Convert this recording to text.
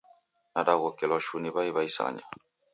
Nadaghokelwa shuu ni w'ai w'a isanya.